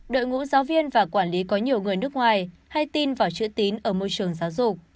đội ngũ giáo viên và quản lý có nhiều người nước ngoài hay tin vào chữ tín ở môi trường giáo dục